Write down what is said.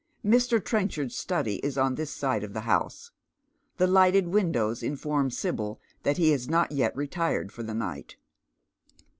Mt Trcnchard's study is on this side of the house. The lighted windows inform Sibyl that he has not yet retired for the night.